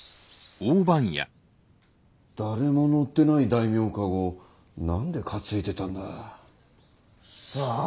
誰も乗ってない大名駕籠を何で担いでたんだ？さあ？